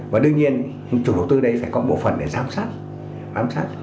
và đương nhiên chủ đầu tư đây phải có bộ phần để giám sát